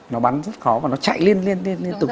nó bắn rất khó và nó chạy liên tục